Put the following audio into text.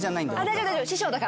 「大丈夫大丈夫師匠だから」